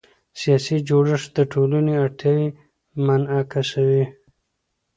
سیاسي جوړښت د ټولنې اړتیاوې منعکسوي